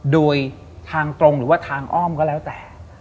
โดยทางตรงหรือว่าทางอ้อมก็แล้วแต่